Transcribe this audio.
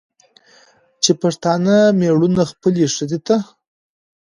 چې پښتانه مېړونه خپلې ښځې ته